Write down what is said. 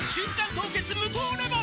凍結無糖レモン」